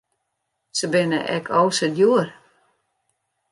Se binne ek o sa djoer.